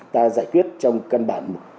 ta giải quyết trong cân bản